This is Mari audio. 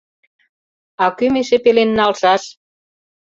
— А кӧм эше пелен налшаш?